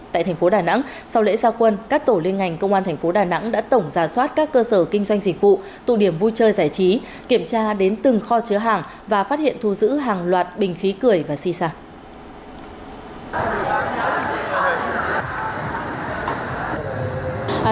tại thành phố đà nẵng sau lễ gia quân các tổ liên ngành công an thành phố đà nẵng đã tổng giả soát các cơ sở kinh doanh dịch vụ tụ điểm vui chơi giải trí kiểm tra đến từng kho chứa hàng và phát hiện thu giữ hàng loạt bình khí cười và si sản